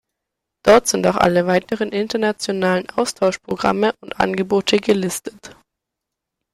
Dort sind auch alle weiteren internationalen Austauschprogramme und Angebote gelistet.